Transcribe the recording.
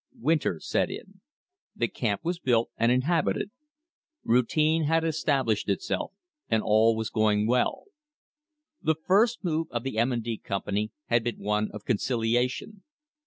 Winter set in. The camp was built and inhabited. Routine had established itself, and all was going well. The first move of the M. & D. Company had been one of conciliation.